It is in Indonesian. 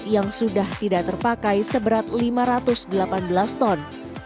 yang sudah tidak terpakai seberat lima ratus delapan belas ton